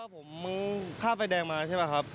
ผมมึงข้ามไฟแดงมาใช่ป่ะครับ